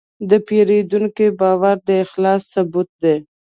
د پیرودونکي باور د اخلاص ثبوت دی.